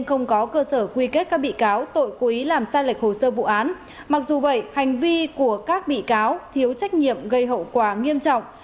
hành vi của các bị cáo thiếu trách nhiệm gây hậu quả nghiêm trọng